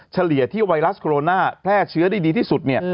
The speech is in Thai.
เฉลี่ยที่ไวรัสโคโรนาแพร่เชื้อได้ดีที่สุด